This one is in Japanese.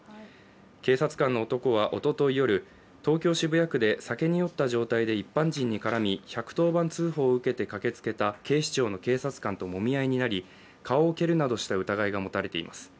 警察官の男はおおとい夜、東京・渋谷区で酒に酔った状態で一般人に絡み１１０番通報を受けて駆けつけた警視庁の警察官ともみ合いになり、顔を蹴るなどした疑いが持たれています。